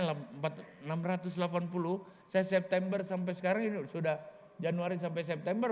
saya september sampai sekarang ini sudah januari sampai september